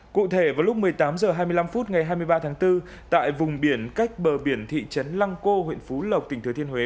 cụ thể vào lúc một mươi tám h hai mươi năm phút ngày hai mươi ba tháng bốn tại vùng biển cách bờ biển thị trấn lăng cô huyện phú lộc tỉnh thừa thiên huế